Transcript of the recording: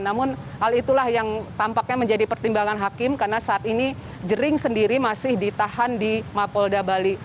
namun hal itulah yang tampaknya menjadi pertimbangan hakim karena saat ini jering sendiri masih ditahan di mapolda bali